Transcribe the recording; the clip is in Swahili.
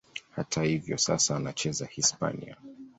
Hata hivyo, sasa anacheza Hispania.